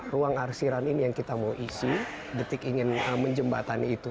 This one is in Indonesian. ruang arsiran ini yang kita mau isi detik ingin menjembatani itu